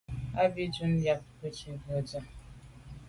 À bə́ á dʉ̀’ zə̄ bú nǔ yáp cû nsî rə̂ tsə̂də̀.